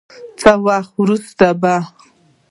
څه وخت وروسته به